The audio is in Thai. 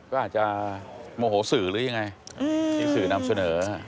ก็อาจจะโมโหสื่อหรือยังไงที่สื่อนำเสนอ